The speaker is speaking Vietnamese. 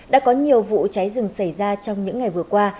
đã có nhiều vụ cháy rừng xảy ra trong những ngày vừa qua